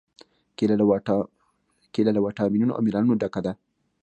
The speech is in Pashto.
کېله له واټامینونو او منرالونو ډکه ده.